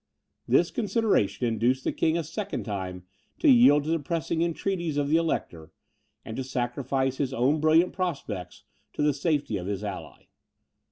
This consideration induced the king a second time to yield to the pressing entreaties of the Elector, and to sacrifice his own brilliant prospects to the safety of this ally.